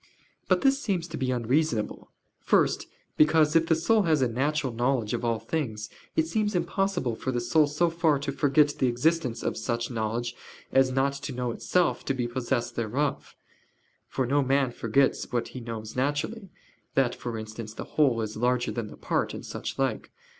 But this seems to be unreasonable. First, because, if the soul has a natural knowledge of all things, it seems impossible for the soul so far to forget the existence of such knowledge as not to know itself to be possessed thereof: for no man forgets what he knows naturally; that, for instance, the whole is larger than the part, and such like.